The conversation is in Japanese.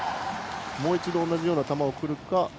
もう一度同じような球でくるか。